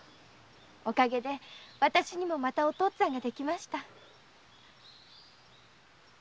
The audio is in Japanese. おかげでわたしにもまたお父っつぁんができました。